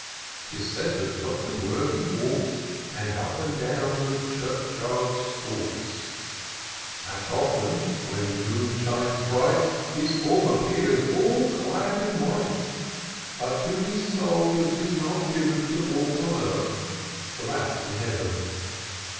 'Tis said that Dr. Worthy walks, And up and down the churchyard stalks ; That often, when the moon shines bright, His form appears all clad in white : But to his soul it is not given To walk on earth — for that's in Heaven.